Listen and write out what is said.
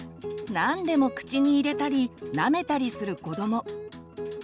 何でも口に入れたりなめたりする子ども。